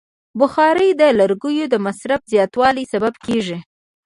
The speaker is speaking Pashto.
بخاري د لرګیو د مصرف زیاتوالی سبب کېږي.